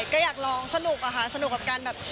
ก็อยากลองสนุกอะค่ะสนุกกับการแบบ